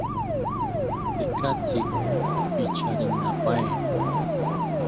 Tekatzi picharinipaeni